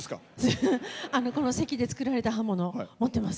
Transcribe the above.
この関で作られた刃物持ってます。